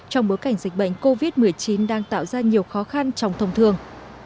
trong bối cảnh dịch bệnh covid một mươi chín đang tạo ra nhiều khó khăn trong thông thường